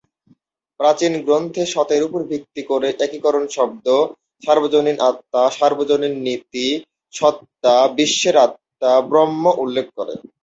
প্রাচীন গ্রন্থে, সতের উপর ভিত্তি করে একীকরণ শব্দ, "সার্বজনীন আত্মা, সর্বজনীন নীতি, সত্তা, বিশ্বের আত্মা, ব্রহ্ম" উল্লেখ করে।